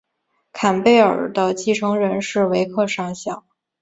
坎贝尔的继承人是维克上校。